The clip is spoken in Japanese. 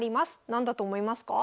何だと思いますか？